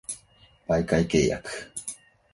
媒介契約